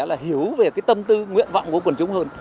là hiểu về cái tâm tư nguyện vọng của quần chúng hơn